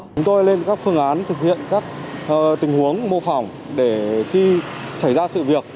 chúng tôi lên các phương án thực hiện các tình huống mô phỏng để khi xảy ra sự việc